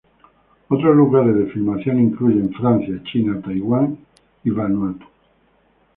Otros lugares de filmación incluyen Francia, China, Taiwán y Vanuatu.